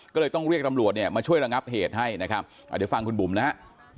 ก็เลยต้องเรียกตำรวจเนี่ยมาช่วยระงับเหตุให้นะครับเดี๋ยวฟังคุณบุ๋มนะฮะ